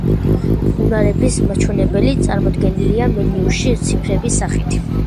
უნარების მაჩვენებელი წარმოდგენილია მენიუში ციფრების სახით.